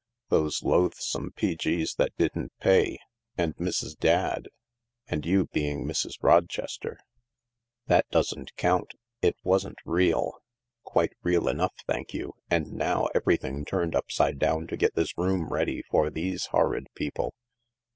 Those loathsome P.G.'s that didn't pay, and Mrs. Dadd, and you being Mrs. Rochester." "That doesn't count — it wasn't real." "Quite real enough, thank you. And now everything turned upside down to get this room ready for these horrid people."